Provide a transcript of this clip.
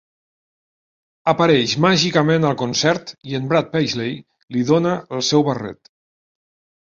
Apareix màgicament al concert i en Brad Paisley li dona el seu barret.